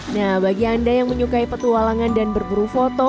nah bagi anda yang menyukai petualangan dan berburu foto